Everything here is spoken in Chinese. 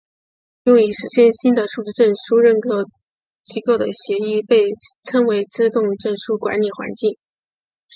用以实现新的数字证书认证机构的协议被称为自动证书管理环境。